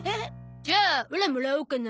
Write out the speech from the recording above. じゃあオラもらおうかな。